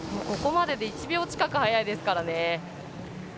ここまでで１秒近く早いですからね。